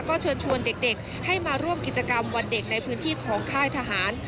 ก็เชิญชวนเด็กให้มาร่วมกิจกรรมวันเด็กในพื้นที่ของค่ายทหาร